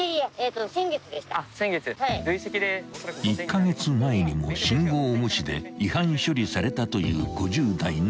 ［１カ月前にも信号無視で違反処理されたという］